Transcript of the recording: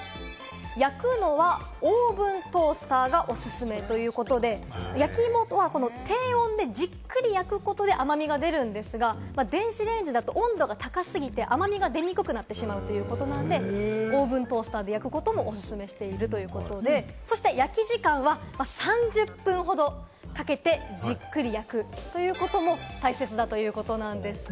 焼くのはオーブントースターがおすすめということで、焼き芋は低温でじっくり焼くことで、甘みが出るんですが、電子レンジだと温度が高すぎて、甘みが出にくくなってしまうということなので、オーブントースターで焼くことをおすすめしているということで、そして焼き時間は３０分ほどかけて、じっくり焼くということも大切だということなんです。